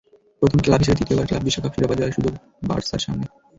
প্রথম ক্লাব হিসেবে তৃতীয়বার ক্লাব বিশ্বকাপ শিরোপা জয়ের সুযোগ বার্সার সামনে।